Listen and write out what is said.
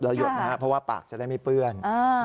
เพราะว่าปากจะได้ไม่เปื้อน